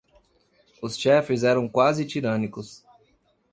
Os chefes eram quase tirânicos.